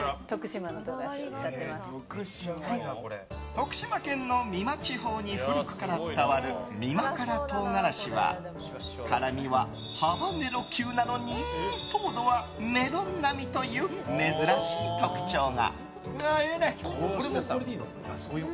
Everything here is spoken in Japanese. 徳島県の美馬地方に古くから伝わるみまから唐辛子は辛みはハバネロ級なのに糖度はメロン並みという珍しい特徴が。